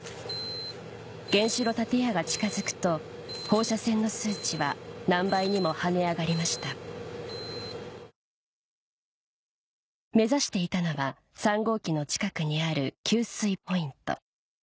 原子炉建屋が近づくと放射線の数値は何倍にも跳ね上がりました目指していたのは３号機の近くにある給水ポイント